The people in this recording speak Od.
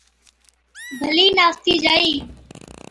ڀلِي ناستِي جائِي،